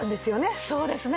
そうですね！